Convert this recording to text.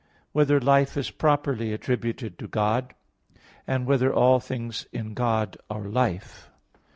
(3) Whether life is properly attributed to God? (4) Whether all things in God are life?